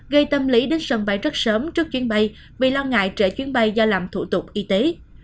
gây tâm lý đến sân bay rất sớm trước chuyến bay vì lo ngại trở chuyến bay do làm thủ tục y tế